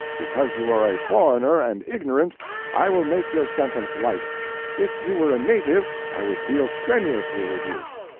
Because you are a foreigner and ignorant, I will make your sentence light; if you were a native I would deal strenuously with you.